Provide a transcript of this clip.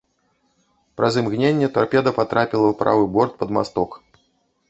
Праз імгненне тарпеда патрапіла ў правы борт пад масток.